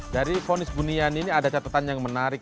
dari vonis buniani ini ada catatan yang menarik